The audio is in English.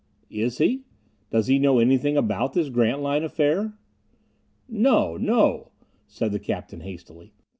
"Is he? Does he know anything about this Grantline affair?" "No no," said the captain hastily.